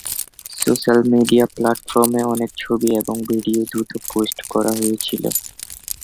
Social media প্লাটফর্মে অনেক ছবি এবং ভিডিও দ্রুত পোস্ট করা হয়েছিল।